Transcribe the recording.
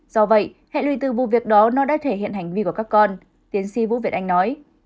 do vậy hệ lụy từ vụ việc đó nó đã thể hiện hành vi của các con tiến sĩ vũ việt anh nói